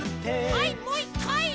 はいもう１かい！